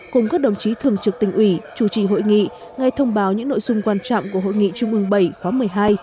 cùng các đồng chí thường trực tỉnh ủy chủ trì hội nghị ngay thông báo những nội dung quan trọng của hội nghị trung ương bảy khóa một mươi hai